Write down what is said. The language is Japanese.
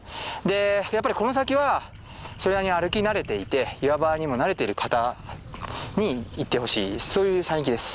やっぱりこの先はそれなりに歩き慣れていて岩場にも慣れている方に行ってほしいそういう山域です。